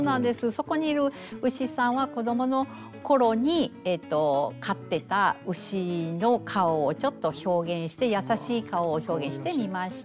そこにいる牛さんは子どものころに飼ってた牛の顔をちょっと表現して優しい顔を表現してみました。